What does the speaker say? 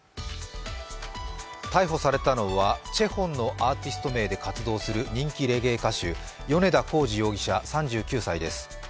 逮捕されたのはＣＨＥＨＯＮのアーティスト名で活動する人気レゲエ歌手、米田浩二容疑者３９歳です。